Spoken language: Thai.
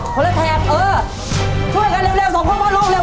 คนละแทนเออช่วยกันเร็วเร็วสองพ่อพ่อลูกเร็ว